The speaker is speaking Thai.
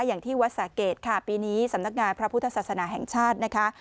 อย่างที่วัดสาเกตค่ะปีนี้สำนักงานพระพุทธศาสนาแห่งชาตินะคะ